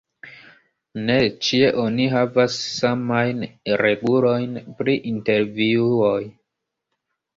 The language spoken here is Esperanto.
Ne ĉie oni havas samajn regulojn pri intervjuoj.